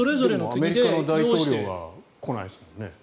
アメリカの大統領が来ないですもんね。